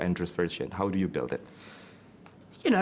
dan mencoba untuk meminta hormat kepada mereka